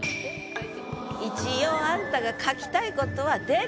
一応あんたが書きたい事は出る。